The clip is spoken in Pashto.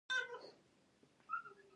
دې مسلک په عملي او مسلکي بڼه پرمختګ کړی دی.